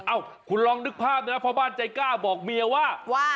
เอ้าคุณลองนึกภาพนะพ่อบ้านใจกล้าบอกเมียว่า